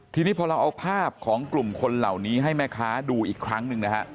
ทีนี้พอเราเอาภาพของกลุ่มคนเหล่านี้ให้แม่ค้าดูอีกครั้งหนึ่งนะฮะ